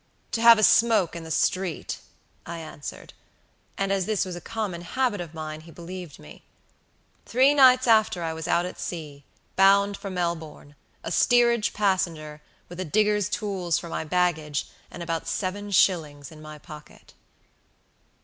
'To have a smoke in the street,' I answered; and as this was a common habit of mine he believed me. Three nights after I was out at sea, bound for Melbournea steerage passenger, with a digger's tools for my baggage, and about seven shillings in my pocket."